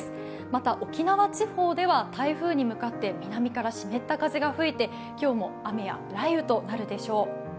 また沖縄地方では台風に向かって南から湿った風が吹いて今日も雨や雷雨となるでしょう。